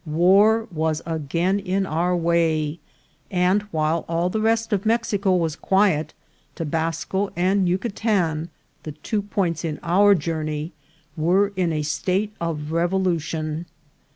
War was again in our way ; and, while all the rest of Mexico was quiet, Tobasco and Yucatan, the two points in our journey, were in a state of revolution.